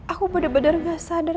aku bener bener gak sadar